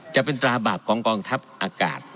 จะเป็นตราบาปของกองทัพอากาศ